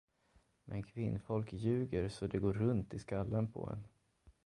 Men kvinnfolk ljuger, så det går runt i skallen på en.